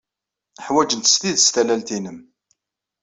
Ḥwajent s tidet tallalt-nnem.